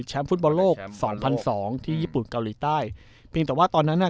ฟุตบอลโลกสองพันสองที่ญี่ปุ่นเกาหลีใต้เพียงแต่ว่าตอนนั้นน่ะ